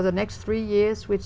từ năm hai nghìn một mươi ba